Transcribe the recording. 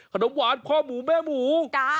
ขนมหวานพ่อหมูแม่หมู